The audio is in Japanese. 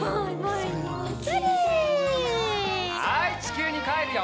はいちきゅうにかえるよ。